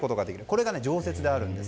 これが常設であるんです。